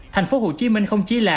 thành phố hồ chí minh không chỉ là